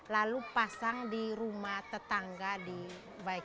lalu pasang di rumah tetangga di baik